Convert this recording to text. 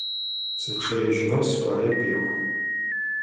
Сычъыежьынэу сыфаеп, – elo.